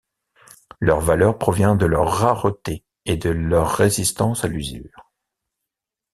Leur valeur provient de leur rareté et de leur résistance à l'usure.